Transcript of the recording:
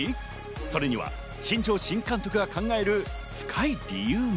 それには新庄新監督が考える深い理由が。